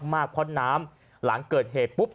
มากเพราะน้ำหลังเกิดเหตุปุ๊บ